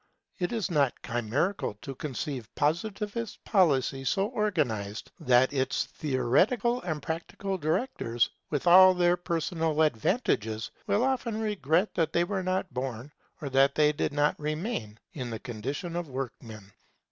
It is not chimerical to conceive Positivist society so organized that its theoretical and practical directors, with all their personal advantages, will often regret that they were not born, or that they did not remain, in the condition of workmen.